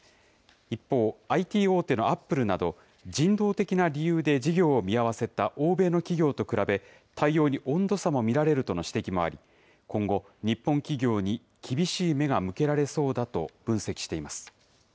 一方、ＩＴ大手のアップルなど、人道的な理由で事業を見合わせた欧米の企業と比べ、対応に温度差も見られるとの指摘もあり、今後、日本企業に厳しい目が向けられそうだと分析しています。